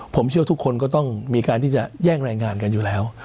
ผมเชื่อว่าทุกคนก็ต้องมีการที่จะแย่งรายงานกันอยู่แล้ว